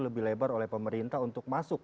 lebih lebar oleh pemerintah untuk masuk